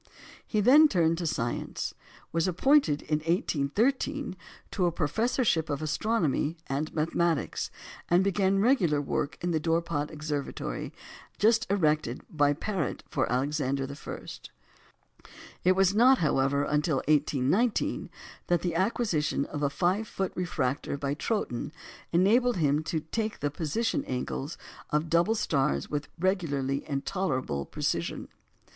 He then turned to science, was appointed in 1813 to a professorship of astronomy and mathematics, and began regular work in the Dorpat Observatory just erected by Parrot for Alexander I. It was not, however, until 1819 that the acquisition of a 5 foot refractor by Troughton enabled him to take the position angles of double stars with regularity and tolerable precision.